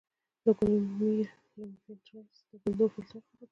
د ګلومیرولونیفریټس د ګردو فلټر خرابوي.